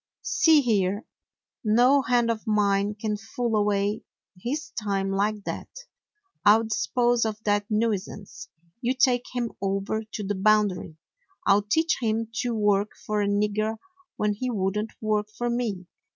"See here, no hand of mine can fool away his time like that. I 'll dispose of that nui sance. You take him over to the Boundary. I 'll teach him to work for a nigger when he would n't work for me!